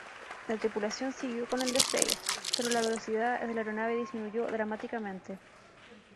La tripulación siguió con el despegue, pero la velocidad de la aeronave disminuyó dramáticamente.